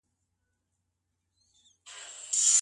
ډیپلوماتیکو اړیکو وده کوله.